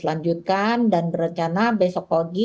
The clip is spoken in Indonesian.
lanjutkan dan berencana besok pagi